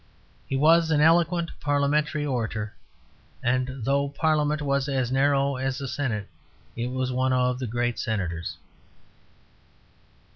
He was an eloquent parliamentary orator, and though Parliament was as narrow as a senate, it was one of great senators.